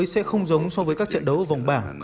trận đầu tới sẽ không giống so với các trận đấu ở vòng bảng